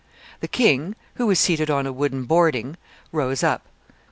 The king, who was seated on a wooden boarding, rose up.